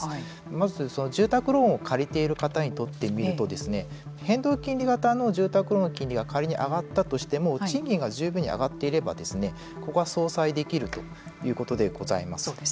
まず、住宅ローンを借りている方にとってみると変動金利型の住宅ローン金利が仮に上がったとしても賃金が十分に上がっていればここは相殺できるということでございます。